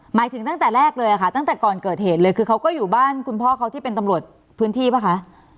หมายถึงตั้งแต่แรกเลยค่ะตั้งแต่ก่อนเกิดเหตุเลยคือเขาก็อยู่บ้านคุณพ่อเขาที่เป็นตำรวจพื้นที่ป่ะคะ